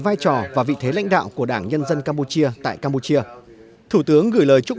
vai trò và vị thế lãnh đạo của đảng nhân dân campuchia tại campuchia thủ tướng gửi lời chúc